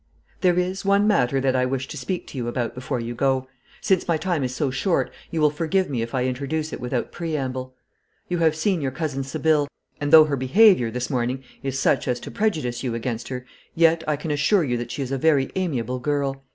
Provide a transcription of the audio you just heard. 'There is one matter that I wish to speak to you about before you go. Since my time is so short you will forgive me if I introduce it without preamble. You have seen your cousin Sibylle, and though her behaviour this morning is such as to prejudice you against her, yet I can assure you that she is a very amiable girl.